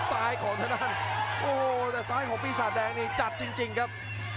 ซ้ายของทางด้านโอ้โหแต่ซ้ายของปีศาจแดงนี่จัดจริงครับ